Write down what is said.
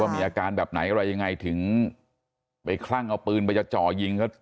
มีอาการแบบไหนอะไรยังไงถึงไปคลั่งเอาปืนไปจะจ่อยิงเขา